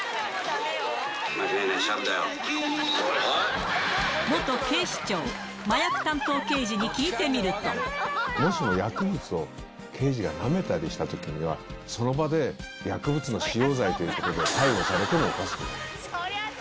間違いない、元警視庁、麻薬担当刑事に聞もしも薬物を刑事がなめたりしたときには、その場で薬物の使用罪ということで逮捕されてもおかしくない。